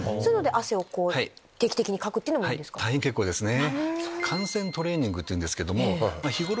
大変結構ですね。